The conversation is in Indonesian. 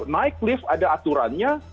naik lift ada aturannya